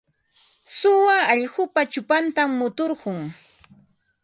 Suwa allqupa chupantam muturqun.